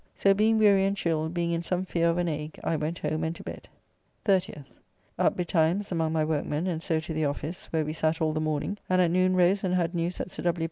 So being weary and chill, being in some fear of an ague, I went home and to bed. 30th. Up betimes among my workmen, and so to the office, where we sat all the morning, and at noon rose and had news that Sir W.